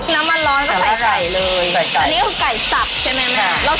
น้ำมันร้อน